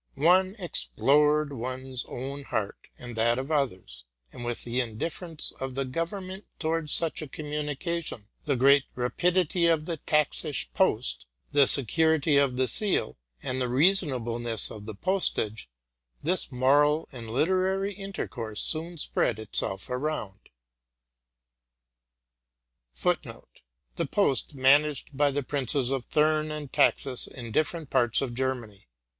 One explored one's own heart and that of others ; and with the indifference of the government towards such a communication, the great rapidity of the Taxisch' post, the security of the seal, and the reasonableness of the postage, this moral and literary intercourse soon spread itself around. 1 The post, managed by the princes of Thurn and Taxis, in different parts of Ger many.